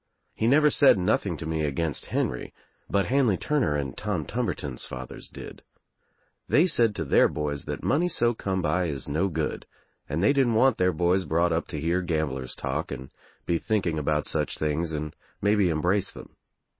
He never said nothing to me against Henry, but Hanley Turner and Tom Tumberton's fathers did. They said to their boys that money so come by is no good and they didn't want their boys brought up to hear gamblers' talk and be thinking about such things and maybe embrace them.